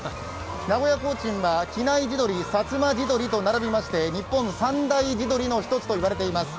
名古屋コーチンは比内地鶏、さつま地鶏と並びまして日本３大地鶏の一つと言われています。